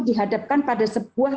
dihadapkan pada sebuah